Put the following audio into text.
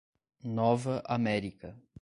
Nova América